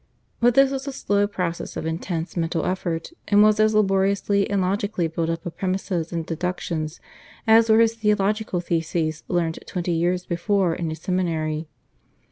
But this was a slow process of intense mental effort, and was as laboriously and logically built up of premises and deductions as were his theological theses learned twenty years before in his seminary.